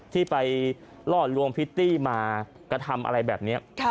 ที่ไปล่อลวงพิตตี้มากระทำอะไรแบบนี้